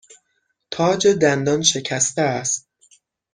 تاج دندان شکسته است.